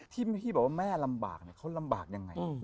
ที่พี่บอกว่าแม่ลำบากเขาลำบากยังไง